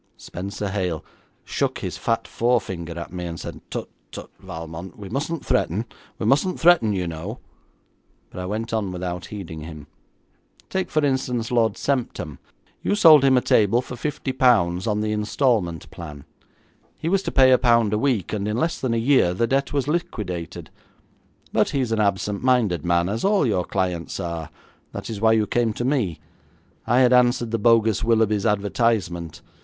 Spenser Hale shook his fat forefinger at me, and said, 'Tut, tut, Valmont; we mustn't threaten, we mustn't threaten, you know;' but I went on without heeding him. 'Take for instance, Lord Semptam. You sold him a table for fifty pounds, on the instalment plan. He was to pay a pound a week, and in less than a year the debt was liquidated. But he is an absent minded man, as all your clients are. That is why you came to me. I had answered the bogus Willoughby's advertisement.